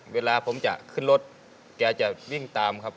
เวลาผมจะขึ้นรถแกจะวิ่งตามครับ